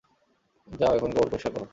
যাও এখন গোবর পরিস্কার করো।